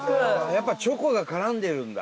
やっぱチョコが絡んでるんだ？